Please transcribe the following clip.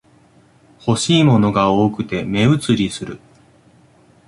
欲しいものが多くて目移りする